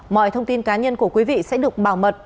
mọi thông tin cá nhân của quý vị sẽ được bảo mật